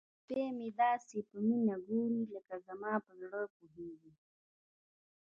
سپی مې داسې په مینه ګوري لکه زما په زړه پوهیږي.